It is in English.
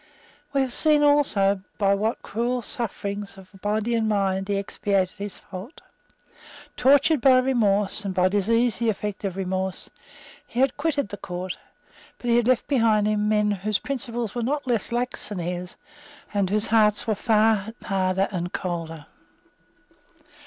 We have seen also by what cruel sufferings of body and mind he expiated his fault. Tortured by remorse, and by disease the effect of remorse, he had quitted the Court; but he had left behind him men whose principles were not less lax than his, and whose hearts were far harder and colder.